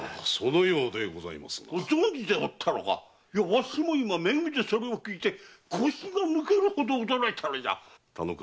わしも今め組でそれを聞いて腰が抜けるほど驚いたのじゃ！